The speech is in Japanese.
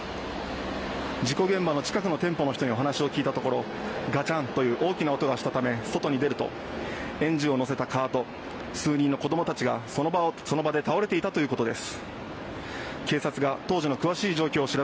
事故現場の近くの店舗の人にお話を聞いたところガチャンという大きな音がしたため外に出ると園児を乗せたカートと数人の子供たちは、その場で倒れていたということです。